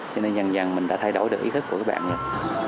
cho nên dần dần mình đã thay đổi được ý thức của mấy bạn rồi